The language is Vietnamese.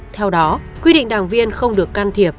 theo đó quy định đảng viên không được can thiệp